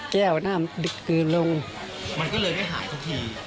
หน้ามันดึกกลืนลงมันก็เลยไม่หายสักที